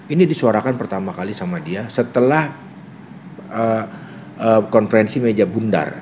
ini disuarakan pertama kali sama dia setelah konferensi meja bundar